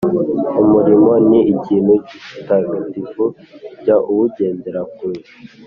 Umurimo ni ikintu gitagatifu jya uwugendera kure.